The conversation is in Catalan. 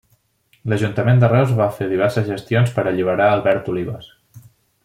L'ajuntament de Reus va fer diverses gestions per a alliberar Albert Olives.